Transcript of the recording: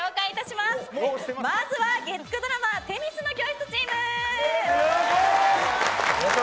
まずは月９ドラマ女神の教室チーム。